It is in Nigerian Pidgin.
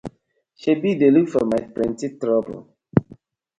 Sebi yu dey look for my plenty trouble.